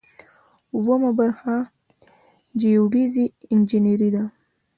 اوومه برخه جیوډیزي انجنیری ده.